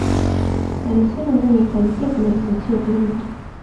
Anasema ndani ya hifadhi hiyo kuna vivutio vingi